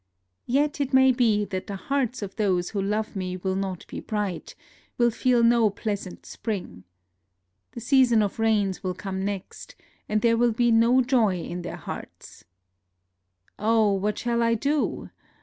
Yet it may be that the hearts of those who love me will not be bright, will feel no pleasant spring. The season of rains will come next, and there will be no joy in their hearts. ... Oh ! what shall I do